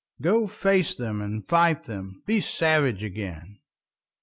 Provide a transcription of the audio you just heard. Go face them and fight them, Be savage again.